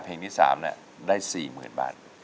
เพลงที่สามนี้ได้๔๐๐๐๐บาท